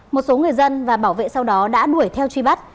một số người dân và bảo vệ sau đó đã đuổi theo truy bắt